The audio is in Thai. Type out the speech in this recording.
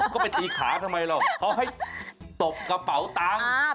ก็ไปตีขาทำไมหรอกเขาให้ตบกระเป๋าตังค์